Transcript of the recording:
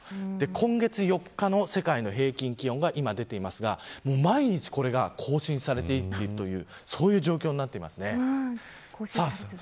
今月４日の世界の平均気温が今出ていますが毎日これが更新されているそういう状況です。